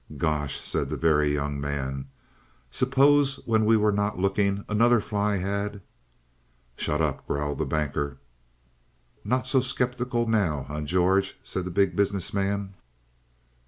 "Gosh!" said the Very Young Man, "suppose when we were not looking, another fly had " "Shut up!" growled the Banker. "Not so skeptical now, eh, George?" said the Big Business Man.